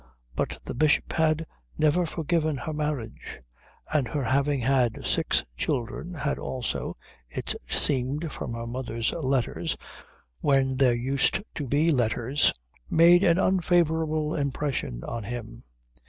But the Bishop had never forgiven her marriage; and her having had six children had also, it seemed from her mother's letters when there used to be letters, made an unfavourable impression on him.